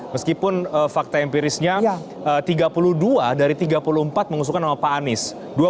meskipun fakta empirisnya tiga puluh dua dari tiga puluh empat mengusulkan nama pak anies